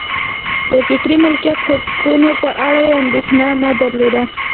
د فکري مالکیت حقونو په اړه یې اندېښنه نه درلوده.